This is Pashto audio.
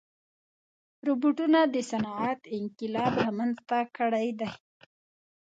روبوټونه د صنعت انقلاب رامنځته کړی دی.